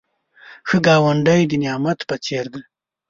ښه ګاونډی د نعمت په څېر دی